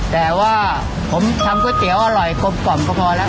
แต่ว่าผมทำก๋วยเตี๋ยวอร่อยกลมกล่อมก็พอแล้ว